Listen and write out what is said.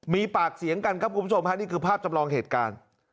มีปากเสียงกันครับคุณผู้ชมฮะนี่คือภาพจำลองเหตุการณ์